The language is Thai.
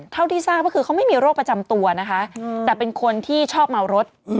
เท่าที่ทราบก็คือเขาไม่มีโรคประจำตัวนะคะแต่เป็นคนที่ชอบเมารถ